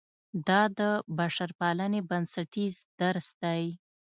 دا د بشرپالنې بنسټیز درس دی.